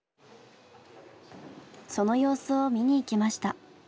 その様子を見に行きました。